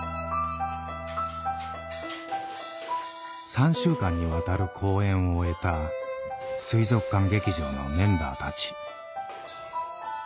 ３週間にわたる公演を終えた水族館劇場のメンバーたち。